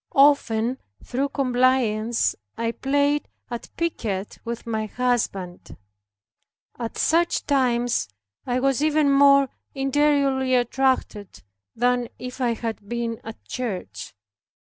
Often through compliance I played at piquet with my husband. At such times I was even more interiorly attracted than if I had been at church.